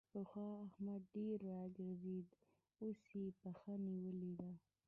پخوا احمد ډېر راګرځېد؛ اوس يې پښه نيولې ده.